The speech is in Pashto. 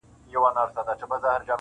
پر سر د دار خو د منصور د حق نعره یمه زه-